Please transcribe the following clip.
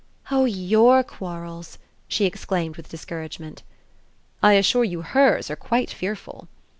"Oh YOUR quarrels!" she exclaimed with discouragement. "I assure you hers are quite fearful!"